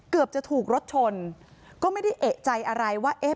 เกือบจะถูกรถชนก็ไม่ได้เอกใจอะไรว่าเอ๊ะ